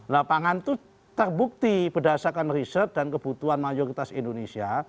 lapangan itu terbukti berdasarkan riset dan kebutuhan mayoritas indonesia